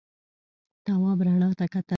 تواب رڼا ته کتل.